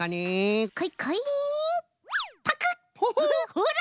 ほら！